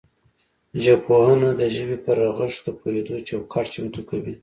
ژبپوهنه د ژبې پر رغښت د پوهیدو چوکاټ چمتو کوي